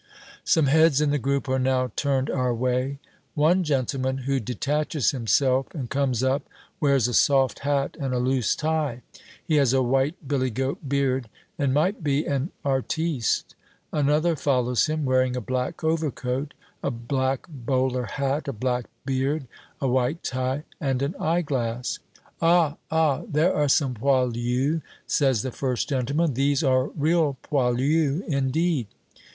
Some heads in the group are now turned our way. One gentleman who detaches himself and comes up wears a soft hat and a loose tie. He has a white billy goat beard, and might be an artiste. Another follows him, wearing a black overcoat, a black bowler hat, a black beard, a white tie and an eyeglass. "Ah, ah! There are some poilus," says the first gentleman. "These are real poilus, indeed."